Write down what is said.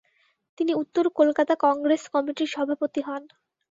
তিনি উত্তর কলকাতা কংগ্রেস কমিটির সভাপতি হন।